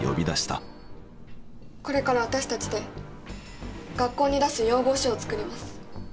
これから私たちで学校に出す要望書を作ります。